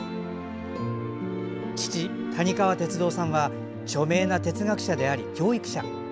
父・谷川徹三さんは著名な哲学者であり、教育者。